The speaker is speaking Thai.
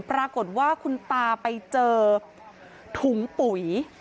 ปรากฏว่าคุณตาไปเจอถุงปุ๋ย